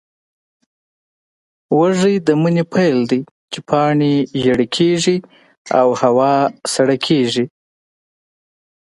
وږی د مني پیل دی، چې پاڼې ژېړې کېږي او هوا سړه کېږي.